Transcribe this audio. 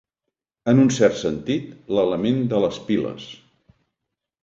En un cert sentit, l'element de les piles.